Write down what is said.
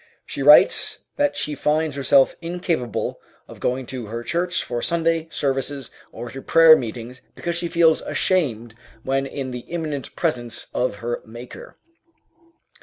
She writes that she finds herself incapable of going to her church for Sunday services or to prayer meetings because she feels ashamed when in the imminent presence of her Maker.